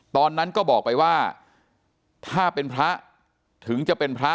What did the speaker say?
ตอนนั้นก็บอกไปว่าถ้าเป็นพระถึงจะเป็นพระ